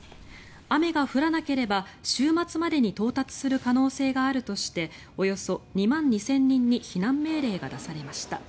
雨が降らなければ週末までに到達する可能性があるとしておよそ２万２０００人に避難命令が出されました。